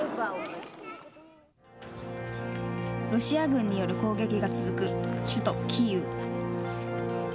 ロシア軍による攻撃が続く首都キーウ。